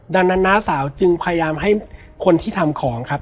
ดังนั้นน้าสาวจึงพยายามให้คนที่ทำของครับ